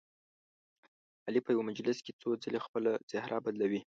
علي په یوه مجلس کې څو ځلې خپله څهره بدلوي.